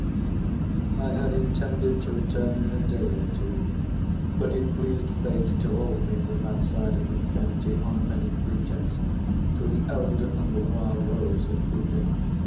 I had intended to return in a day or two, but it pleased Fate to hold me from that side of the county, on many pretexts, till the elder and the wild rose had fruited.